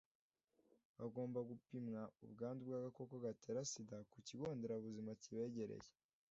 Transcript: bagomba gupimwa ubwandu bw’agakoko gatera sida ku kigo nderabuzima kibegereye